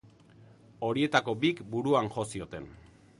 Horietako bik, buruan jo zioten.